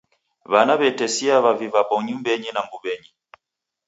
W'ana w'atesia w'avi w'aw'o nyumbenyi na mbuw'enyi.